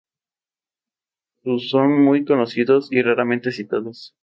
Sus son muy conocidos y raramente citados.